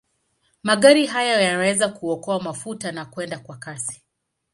Magari haya yanaweza kuokoa mafuta na kwenda kwa kasi.